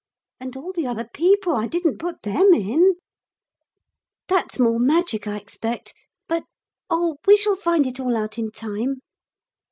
And all the other people. I didn't put them in.' 'That's more magic, I expect. But Oh, we shall find it all out in time.'